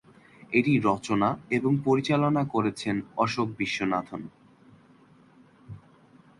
এটি রচনা এবং পরিচালনা করেছেন অশোক বিশ্বনাথন।